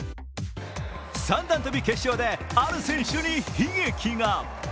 三段跳決勝で、ある選手に悲劇が。